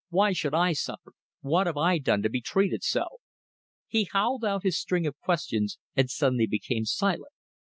Why should I suffer? What have I done to be treated so?" He howled out his string of questions, and suddenly became silent.